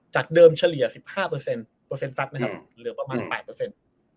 จากเดิมเฉลี่ย๑๕เปอร์เซ็นต์ฟัตช์เหลือประมาณ๘